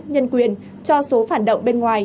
nhân quyền cho số phản động bên ngoài